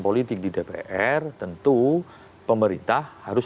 politik di dpr tentu pemerintah harus